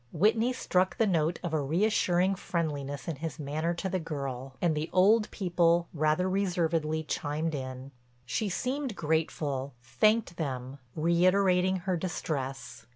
Whitney struck the note of a reassuring friendliness in his manner to the girl, and the old people, rather reservedly chimed in. She seemed grateful, thanked them, reiterating her distress.